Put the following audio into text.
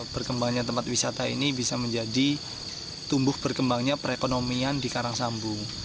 berkembangnya tempat wisata ini bisa menjadi tumbuh berkembangnya perekonomian di karang sambung